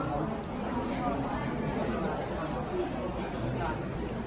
ขอบคุณครับ